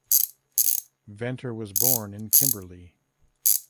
Venter was born in Kimberley.